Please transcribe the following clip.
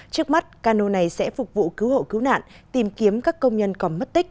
trước mắt cano này sẽ phục vụ cứu hộ cứu nạn tìm kiếm các công nhân có mất tích